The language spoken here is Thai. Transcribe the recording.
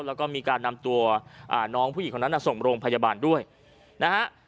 แล้วก็มีการนำตัวน้องผู้หญิงคนนั้นส่งโรงพยาบาลด้วยนะฮะ